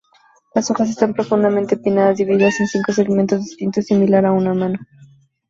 Las hojas están profundamente pinnadas, divididas en cinco segmentos distintos similar a una mano.